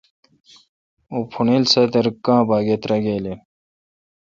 اوں پھوݨیل سادر کاں باگہ تراگال این۔